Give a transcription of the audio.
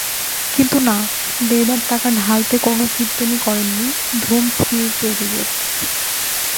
কিন্তু না, দেদার টাকা ঢালতে কোনো কিপ্টেমি করেননি ধুম থ্রির প্রযোজক।